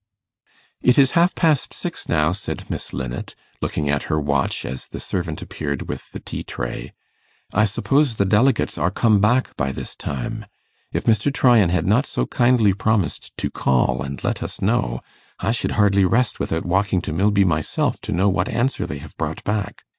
'It is half past six now,' said Miss Linnet, looking at her watch as the servant appeared with the tea tray. 'I suppose the delegates are come back by this time. If Mr. Tryan had not so kindly promised to call and let us know, I should hardly rest without walking to Milby myself to know what answer they have brought back.